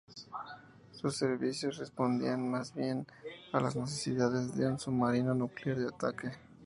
Sus servicios respondían más bien a las necesidades de un submarino nuclear de ataque.